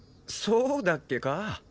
そうだっけか？